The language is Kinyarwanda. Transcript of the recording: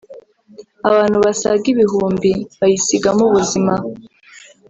abantu basaga ibihumbi bayisigamo ubuzima